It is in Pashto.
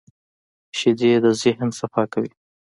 شیدې د ذهن صفا کوي